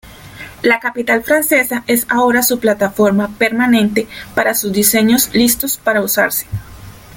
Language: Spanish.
La capital francesa es ahora su plataforma permanente para sus diseños listos para usarse.